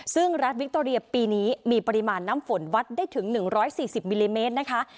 ซึ่งรัฐวิคโตเรียปีนี้มีปริมาณน้ำฝนวัดได้ถึง๑๔๐มิลลิเมตรนะคะ